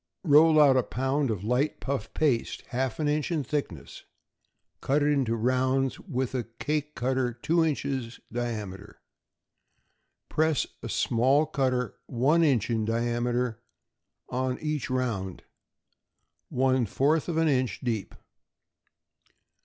= Roll out a pound of light puff paste, half an inch in thickness; cut it into rounds with a cake cutter two inches in diameter; press a small cutter one inch in diameter, on each round, one fourth of an inch deep.